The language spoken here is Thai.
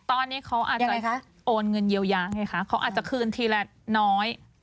ตอนนี้เขาอาจจะโอนเงินเยียวยาไงคะเขาอาจจะคืนทีละน้อย